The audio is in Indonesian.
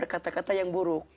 kata kata yang buruk